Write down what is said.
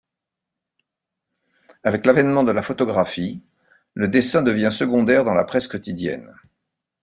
Avec l'avènement de la photographie, le dessin devient secondaire dans la presse quotidienne.